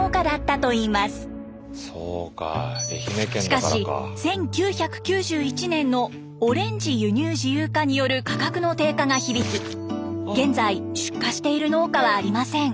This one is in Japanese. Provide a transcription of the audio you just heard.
しかし１９９１年のオレンジ輸入自由化による価格の低下が響き現在出荷している農家はありません。